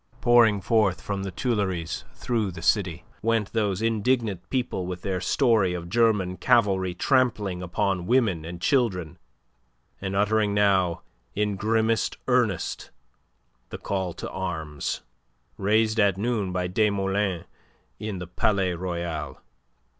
Pouring forth from the Tuileries through the city went those indignant people with their story of German cavalry trampling upon women and children, and uttering now in grimmest earnest the call to arms, raised at noon by Desmoulins in the Palais Royal.